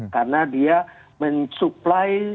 karena dia mensupply